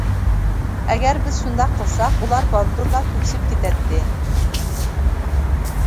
ئەگەر بىز شۇنداق قىلساق، ئۇلار بالدۇرلا تۈگىشىپ كېتەتتى.